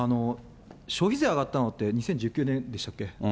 消費税上がったのって、２０１９年でしたっけ。